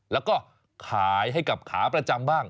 แล้วก็ขายให้กับขาประจำบ้าง